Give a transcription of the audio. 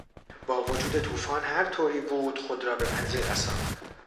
با وجود طوفان هرطوری بود خود را به منزل رساند.